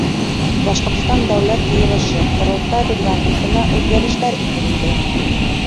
Башҡортостан Дәүләт Йыйылышы — Ҡоролтай Регламентына үҙгәрештәр индерелде.